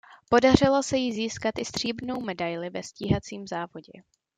Podařilo se jí získat i stříbrnou medaili ve stíhacím závodě.